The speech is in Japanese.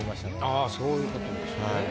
あぁそういうことですね。